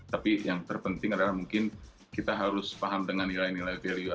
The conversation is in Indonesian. tapi yang terpenting adalah mungkin kita harus paham dengan nilai nilai value